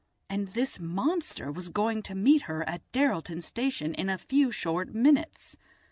And this monster was going to meet her at Derrelton Station in a few short minutes.